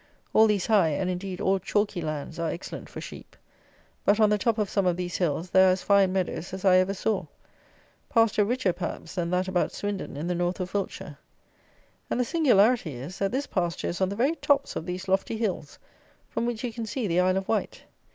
All these high, and indeed, all chalky lands, are excellent for sheep. But, on the top of some of these hills, there are as fine meadows as I ever saw. Pasture richer, perhaps, than that about Swindon in the North of Wiltshire. And the singularity is, that this pasture is on the very tops of these lofty hills, from which you can see the Isle of Wight.